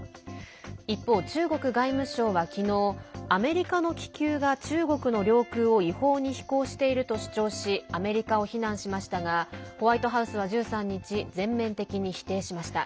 一方、中国外務省は昨日アメリカの気球が中国の領空を違法に飛行していると主張しアメリカを非難しましたがホワイトハウスは１３日、全面的に否定しました。